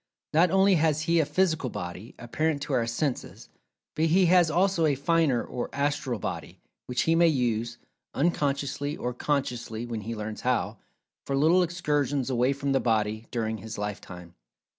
Not only has he a physical body, apparent to our senses, but he has also a finer or "astral body," which he may use (unconsciously, or consciously, when he learns how) for little excursions away from the body, during his lifetime.